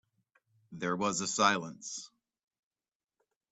There was a silence.